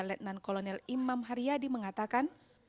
letnan kolonel imam haryadi mengatakan